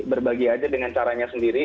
berbagi aja dengan caranya sendiri